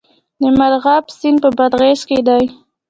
د مرغاب سیند په بادغیس کې دی